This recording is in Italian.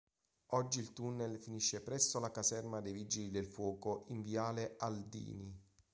Oggi il tunnel finisce presso la caserma dei vigili del fuoco in viale Aldini.